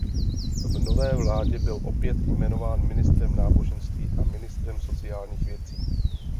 V nové vládě byl opět jmenován ministrem náboženství a ministrem sociálních věcí.